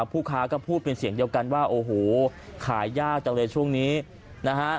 ผู้ค้าก็พูดเป็นเสียงเดียวกันว่าโอ้โหขายยากจังเลยช่วงนี้นะฮะ